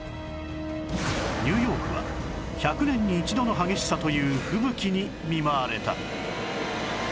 ニューヨークは１００年に一度の激しさという吹雪に見舞われた